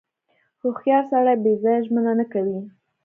• هوښیار سړی بې ځایه ژمنه نه کوي.